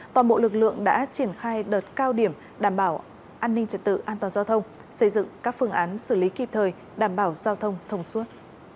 toàn bộ lực lượng đã triển khai đợt cao điểm đảm bảo an ninh trật tự an toàn giao thông xây dựng các phương án xử lý kịp thời đảm bảo giao thông thông suốt